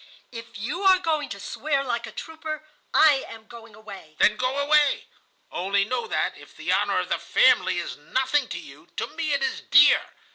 "'If you are going to swear like a trooper, I am going away.' "'Then go away. Only know that, if the honor of the family is nothing to you, to me it is dear.